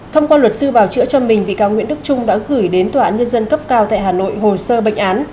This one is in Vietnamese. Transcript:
thông qua luật sư bảo chữa cho mình bị cáo nguyễn đức trung đã gửi đến tòa án nhân dân cấp cao tại hà nội hồ sơ bệnh án